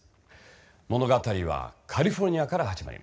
物語はカリフォルニアから始まります。